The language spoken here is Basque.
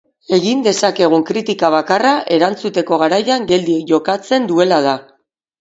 Egin dezakegun kritika bakarra erantzuteko garaian geldi jokatzen duela da.